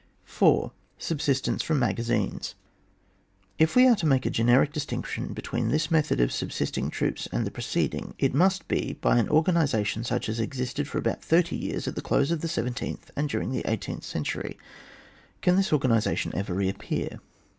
4. — Subsutenee from Magazines, If we are to make a generic distinction between this method of subsisting troops and the preceding, it must be by an or ganisation such as existed for about thirty years at the dose of the seven teendi and during the eighteenth cen tury. Can this organisation ever re appear